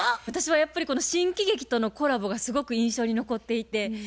私はやっぱりこの新喜劇とのコラボがすごく印象に残っていて。